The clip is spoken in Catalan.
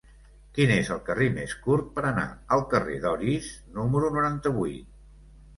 Quin és el camí més curt per anar al carrer d'Orís número noranta-vuit?